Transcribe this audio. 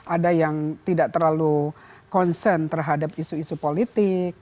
ada yang tidak terlalu concern terhadap isu isu politik